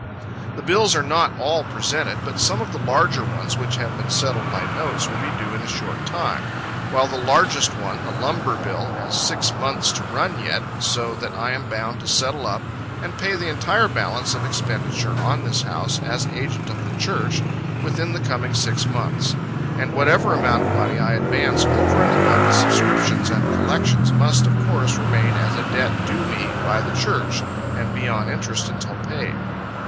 The bills are not all presented, but some of the larger ones which have been settled by notes will be due in a short time; while the largest one, the lumber bill, has six months to run yet, so that I am bound to settle up and pay the entire balance of expenditure on this house, as agent of the Church, within the coming six months. And whatever amount of money I advance over and above the subscriptions and collections must, of course, remain as a debt due me by the Church, and be on interest until paid.